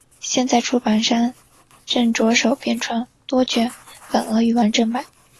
现在出版商正着手编撰多卷本俄语完整版。